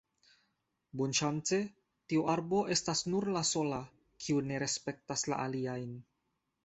Bonŝance, tiu arbo estas nur la sola kiu ne respektas la aliajn.